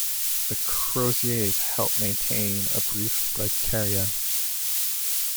The croziers help maintain a brief dikaryon.